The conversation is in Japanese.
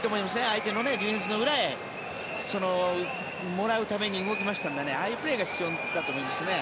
相手のディフェンスの裏へもらうために動きましたのでああいうプレーが必要だと思います。